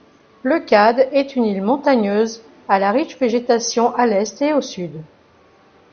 Leucade est une île montagneuse, à la riche végétation à l'est et au sud.